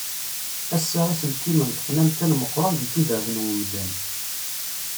Ass-a iselkimen ṭṭfen amkan meqqren di tudert n umdan.